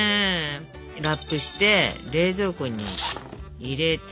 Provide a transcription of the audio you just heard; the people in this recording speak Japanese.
ラップして冷蔵庫に入れて。